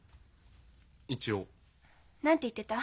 一応。何て言ってた？